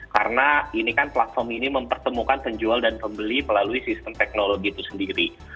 karena ini kan platform ini mempertemukan penjual dan pembeli melalui sistem teknologi itu sendiri